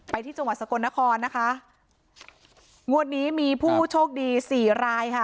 ที่จังหวัดสกลนครนะคะงวดนี้มีผู้โชคดีสี่รายค่ะ